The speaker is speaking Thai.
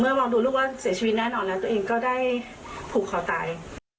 มองดูลูกว่าเสียชีวิตแน่นอนแล้วตัวเองก็ได้ผูกคอตาย